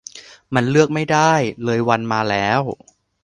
มันเลือกไม่ได้ เลยวันมาแล้ว